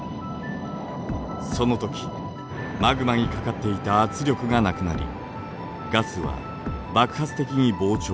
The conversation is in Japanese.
その時マグマにかかっていた圧力がなくなりガスは爆発的に膨張。